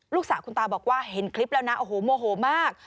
ลูกสาวคุณตาบอกว่าเห็นคลิปแล้วนะโอ้โหโมโหมาก